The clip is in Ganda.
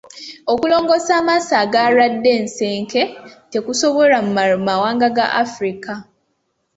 Okulongoosa amaaso agalwadde ensenke tekusobolwa mu mawanga ga Afirika.